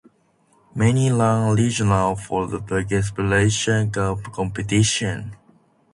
Many run a regional Worldwise geographical quiz competition.